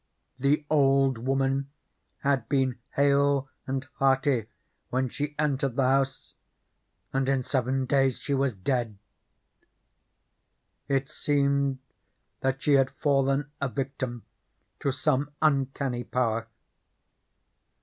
The old woman had been hale and hearty when she entered the house, and in seven days she was dead; it seemed that she had fallen a victim to some uncanny power.